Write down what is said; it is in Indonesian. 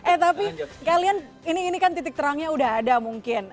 eh tapi kalian ini kan titik terangnya udah ada mungkin